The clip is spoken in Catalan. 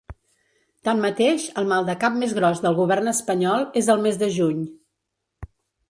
Tanmateix, el maldecap més gros del govern espanyol és el mes de juny.